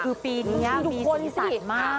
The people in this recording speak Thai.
คือปีนี้มีสิทธิ์สัตว์มาก